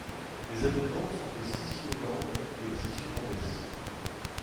Les habitants sont des Sicciolands et Sicciolandes.